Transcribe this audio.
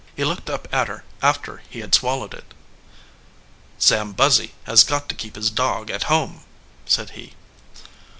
He looked up at her after he had swallowed it. "Sam Buzzy has got to keep his dog at home," said he.